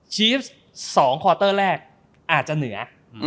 ชีวิต๒คอร์เตอร์แรกอาจจะเหนือ